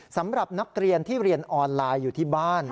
สำหรับนักเรียนที่เรียนออนไลน์อยู่ที่บ้าน